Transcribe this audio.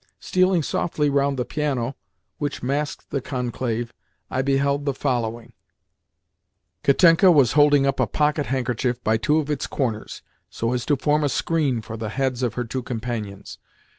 Stealing softly round the piano which masked the conclave, I beheld the following: Katenka was holding up a pocket handkerchief by two of its corners, so as to form a screen for the heads of her two companions.